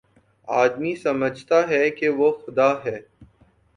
آدمی سمجھتا ہے کہ وہ خدا ہے